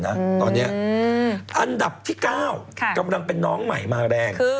ตอนนี้อันดับที่๙กำลังเป็นน้องใหม่มาแรง